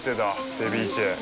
セビーチェ。